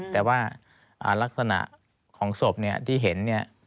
แต่ว่ารักษณะของศพที่เห็นเนี่ย